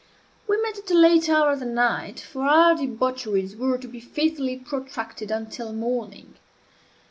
We met at a late hour of the night; for our debaucheries were to be faithfully protracted until morning.